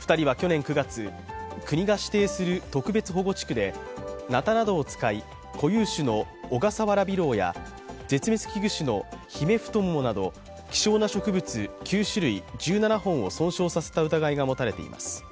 ２人は去年９月、国が指定する特別保護地区でなたなどを使い固有種のオガサワラビロウや絶滅危惧種のヒメフトモモなど希少な植物９種類１７本を損傷させた疑いがもたれています。